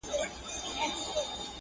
په زارۍ به یې خیرات غوښت له څښتنه؛